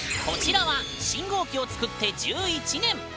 こちらは信号機を作って１１年。